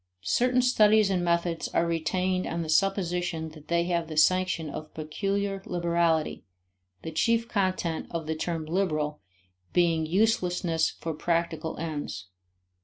Certain studies and methods are retained on the supposition that they have the sanction of peculiar liberality, the chief content of the term liberal being uselessness for practical ends.